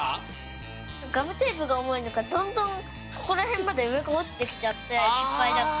ガムテープがおもいのかどんどんここらへんまでおちてきちゃってしっぱいだった。